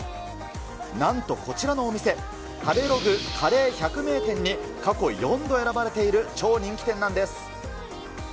なんと、こちらのお店、食べログカレー百名店に過去４度選ばれている超人気店なんです。